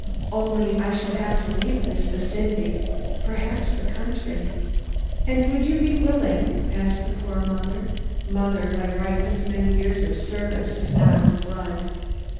Only I shall have to leave this vicinity perhaps the country." "And you would be willing?" asked the poor mother mother by right of many years of service, if not of blood.